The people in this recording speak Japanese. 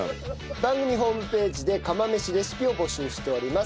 番組ホームページで釜飯レシピを募集しております。